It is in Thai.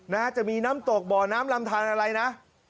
นะจะมีน้ำตกบ่อน้ำลำทานอะไรนะ